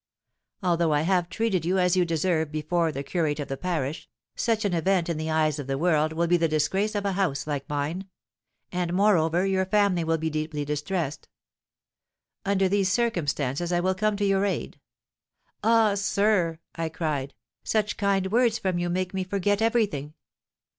Although I have treated you as you deserve before the curate of the parish, such an event in the eyes of the world will be the disgrace of a house like mine; and, moreover, your family will be deeply distressed. Under these circumstances I will come to your aid.' 'Ah! sir,' I cried, 'such kind words from you make me forget everything.'